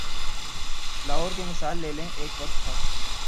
لاہور کی مثال لے لیں، ایک وقت تھا۔